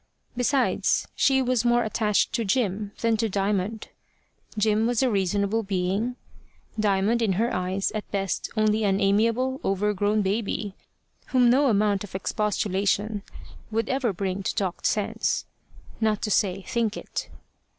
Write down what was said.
Besides, she was more attached to Jim than to Diamond: Jim was a reasonable being, Diamond in her eyes at best only an amiable, over grown baby, whom no amount of expostulation would ever bring to talk sense, not to say think it.